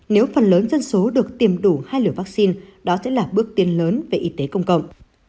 nếu phần lớn dân số được tìm đủ hai liều vaccine đó sẽ là bước tiến lớn về y tế công cộng